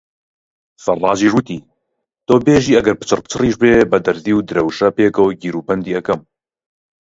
سەڕاجیش وتی: تۆ بێژی ئەگەر پچڕپچڕیش بێ بە دەرزی و درەوشە پێکەوە گیروبەندی ئەکەم.